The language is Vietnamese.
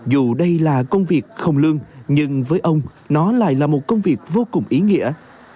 dù đây là công việc không lương nhưng với ông nó lại là một công việc vô cùng ý nghĩa